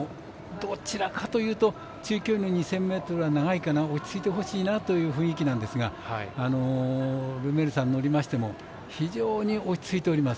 どちらかというと中距離の２０００ｍは長いかな、落ち着いてほしいなという雰囲気なんですがルメールさん、乗りましても非常に落ち着いております。